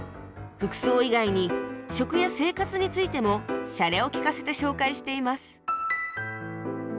服装以外に食や生活についてもシャレを利かせて紹介しています